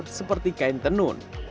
dan juga kain dari tempat yang lain